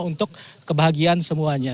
untuk kebahagiaan semuanya